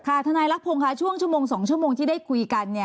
ทนายรักพงศ์ค่ะช่วงชั่วโมง๒ชั่วโมงที่ได้คุยกัน